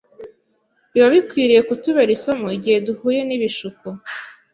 biba bikwiriye kutubera isomo igihe duhuye n’ibishuko.